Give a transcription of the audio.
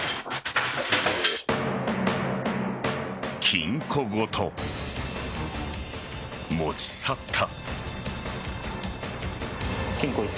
金庫ごと持ち去った。